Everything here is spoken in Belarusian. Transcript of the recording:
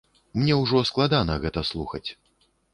Мне ўжо складана гэта слухаць.